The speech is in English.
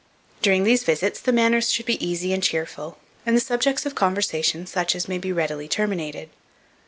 During these visits, the manners should be easy and cheerful, and the subjects of conversation such as may be readily terminated.